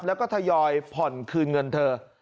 แล้วก็ทยอยผ่อนคืนเงินเธอ